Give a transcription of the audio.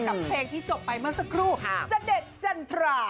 เพลงที่จบไปเมื่อสักครู่เสด็จจันทรา